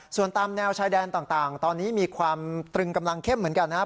ส่วนตามแนวชายแดนต่างตอนนี้มีความตรึงกำลังเข้มเหมือนกันนะครับ